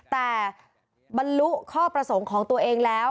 แต่บรรลุข้อประสงค์ของตัวเองแล้ว